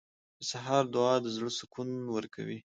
• د سهار دعا د زړه سکون ورکوي.